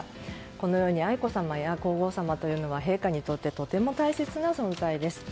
このように愛子さまや皇后さまというのは陛下にとってとても大切な存在です。